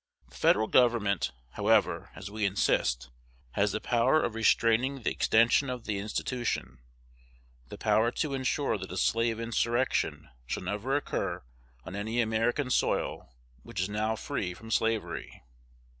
The Federal Government, however, as we insist, has the power of restraining the extension of the institution, the power to insure that a slave insurrection shall never occur on any American soil which is now free from slavery.